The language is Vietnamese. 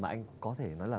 mà anh có thể nói là